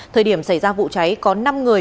thời điểm xảy ra vụ cháy có năm người